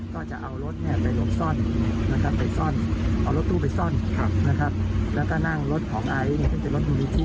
ถ้าจะไปแล้วแล้วถ้าว่ารู้สึกเหนื่อย